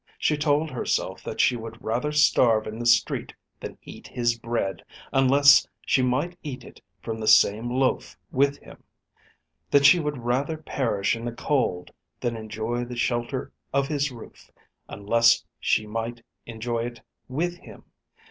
She told herself that she would rather starve in the street than eat his bread, unless she might eat it from the same loaf with him; that she would rather perish in the cold than enjoy the shelter of his roof, unless she might enjoy it with him.